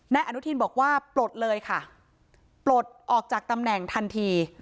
อนุทินบอกว่าปลดเลยค่ะปลดออกจากตำแหน่งทันที